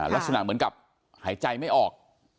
ลักษณะเหมือนกับหายใจไม่ออก